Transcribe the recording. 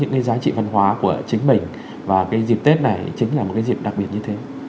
những cái giá trị văn hóa của chính mình và cái dịp tết này chính là một cái dịp đặc biệt như thế